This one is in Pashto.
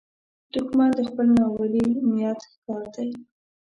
دښمن د خپل ناولي نیت ښکار دی